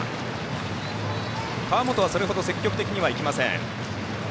川元は、それほど積極的には行きません。